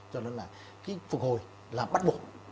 cho nên là phục hồi là bắt buộc